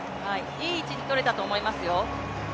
いい位置にとれたと思いますよ。